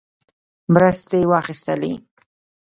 مرستې واخیستلې.